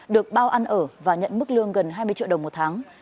được bao ăn ở và nhận mức lương gần hai mươi triệu đồng một tháng